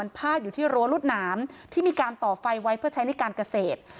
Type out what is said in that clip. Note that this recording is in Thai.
พาดอยู่ที่รั้วรวดหนามที่มีการต่อไฟไว้เพื่อใช้ในการเกษตร